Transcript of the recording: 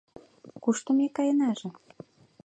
Кушто ме каенаже?